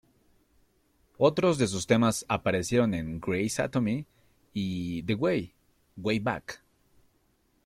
Otros de sus temas aparecieron en Grey's Anatomy y The Way, Way Back.